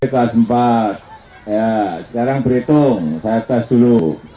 kas empat ya sekarang berhitung saya kasih dulu